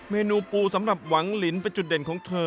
เมนูปูสำหรับหวังลินเป็นจุดเด่นของเธอ